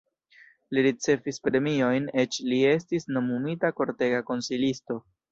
Li ricevis premiojn, eĉ li estis nomumita kortega konsilisto.